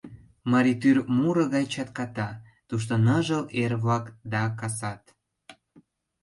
Марий тӱр муро гай чатката, Тушто ныжыл эр-влак да касат.